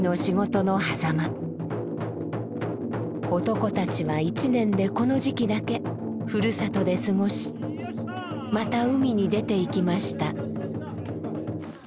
男たちは一年でこの時期だけふるさとで過ごしまた海に出ていきました。